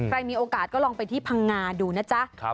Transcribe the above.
ใครมีโอกาสก็ลองไปที่พังงานูนะจ๊ะ